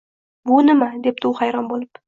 – Bu nima? – debdi u hayron bo‘lib.